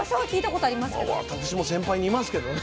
私も先輩にいますけどね。